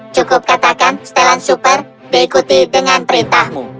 cukup katakan setelan super diikuti dengan perintahmu